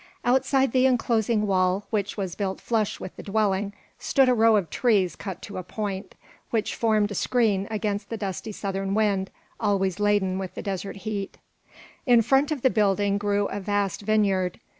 Outside the enclosing wall, which was built flush with the dwelling, stood a row of trees cut to a point, which formed a screen against the dusty southern wind, always laden with the desert heat. In front of the building grew a vast vineyard.